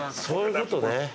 そういうことね。